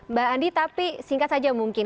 mbak andi tapi singkat saja mungkin